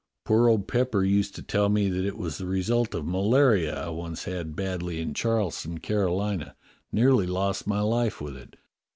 Poor old Pepper used to tell me that it was the result of malaria I once had badly in Charleston, Carolina; nearly lost my life with it.